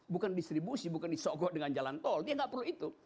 bukan distribusi bukan disogok dengan jalan tol dia nggak perlu itu